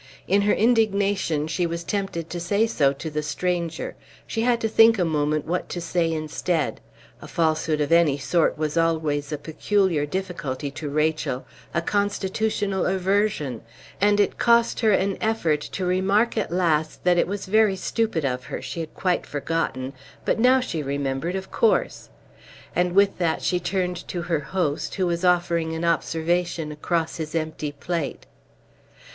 In her indignation she was tempted to say so to the stranger; she had to think a moment what to say instead. A falsehood of any sort was always a peculiar difficulty to Rachel, a constitutional aversion, and it cost her an effort to remark at last that it was very stupid of her, she had quite forgotten, but now she remembered of course! And with that she turned to her host, who was offering an observation across his empty plate.